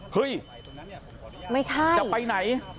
เฮ้ยจะไปไหน